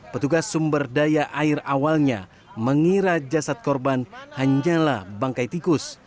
petugas sumber daya air awalnya mengira jasad korban hanyalah bangkai tikus